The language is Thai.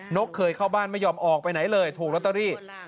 กเคยเข้าบ้านไม่ยอมออกไปไหนเลยถูกลอตเตอรี่